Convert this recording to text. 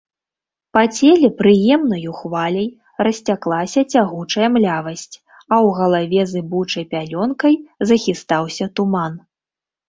Па целе прыемнаю хваляй расцяклася цягучая млявасць, а ў галаве зыбучай пялёнкай захістаўся туман.